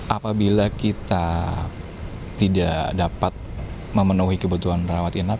apabila kita tidak dapat memenuhi kebutuhan rawat inap